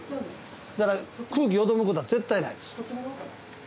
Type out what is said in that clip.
だから空気よどむことは絶対ないです。